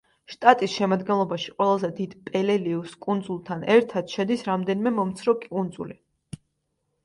შტატის შემადგენლობაში ყველაზე დიდ პელელიუს კუნძულთან ერთად შედის რამდენიმე მომცრო კუნძული.